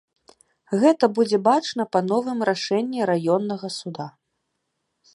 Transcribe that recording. Гэта будзе бачна па новым рашэнні раённага суда.